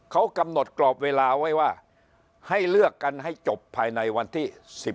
เขากำหนดกรอบเวลาไว้ว่าให้เลือกกันให้จบภายในวันที่๑๓